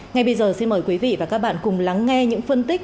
ngay bây giờ xin mời quý vị và các bạn cùng lắng nghe những phân tích